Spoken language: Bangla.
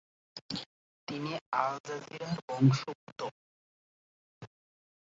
তিনি আলজেরীয় বংশোদ্ভূত।